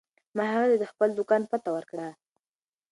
ما هغې ته د خپل دوکان پته ورکړه.